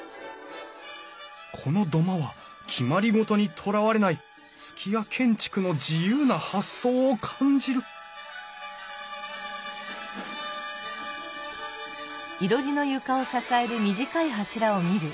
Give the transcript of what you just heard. この土間は決まり事にとらわれない数寄屋建築の自由な発想を感じるうん？